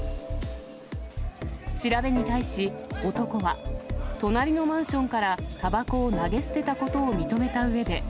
調べに対し、男は、隣のマンションからたばこを投げ捨てたことを認めたうえで。